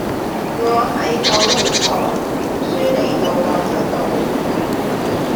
我喺九龍塘舒梨道盪失路